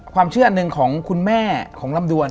ความเชื่ออันหนึ่งของคุณแม่ของลำดวน